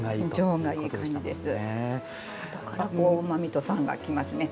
後からうまみと酸が来ますね。